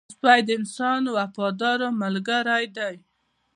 سپی د انسان وفادار ملګری دی